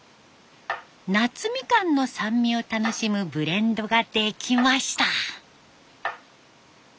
夏みかんの酸味を楽しむブレンドができました。